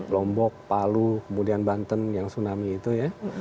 lombok palu kemudian banten yang tsunami itu ya